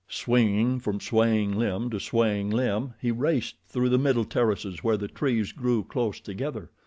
Swinging from swaying limb to swaying limb, he raced through the middle terraces where the trees grew close together.